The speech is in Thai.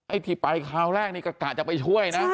ไอ้ที่ไปคราวแรกนี่ก็กะจะไปช่วยนะ